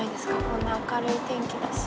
こんな明るい天気だし。